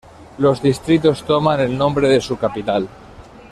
Los distritos toman el nombre de su capital.